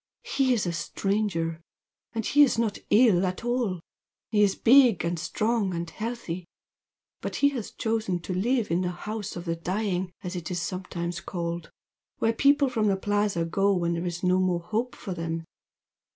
"He is a stranger and he's not ill at all. He is big and strong and healthy. But he has chosen to live in the 'house of the dying,' as it is sometimes called where people from the Plaza go when there's no more hope for them.